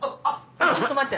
ちょっと待って。